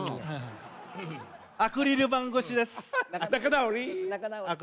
アクリル板越しです。